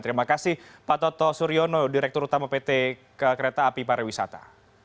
terima kasih pak toto suryono direktur utama pt kereta api pariwisata